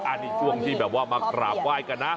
อันนี้ผู้มิจิสัตว์ธานเค้าในวันที่มากราบไหว้กันนะ